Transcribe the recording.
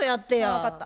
分かった。